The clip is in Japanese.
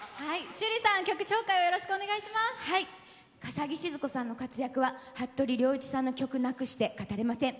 笠置シヅ子さんの活躍は服部良一さんの曲なくして語れません。